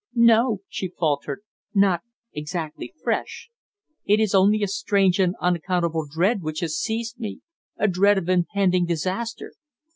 "No," she faltered, "nothing exactly fresh. It is only a strange and unaccountable dread which has seized me a dread of impending disaster."